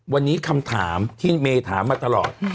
วันนี้คำถามที่เมย์ถามมาตลอด